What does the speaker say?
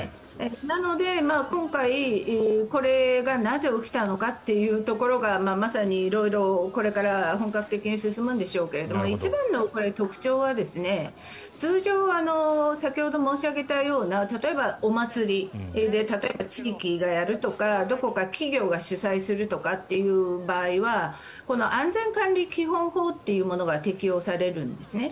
なので今回、これがなぜ起きたのかというところがまさに色々これから本格的に進むんでしょうけれど一番の特徴は通常、先ほど申し上げたような例えば、お祭りで例えば地域がやるとかどこか企業が主催するとかっていう場合は安全管理基本法というものが適用されるんですね。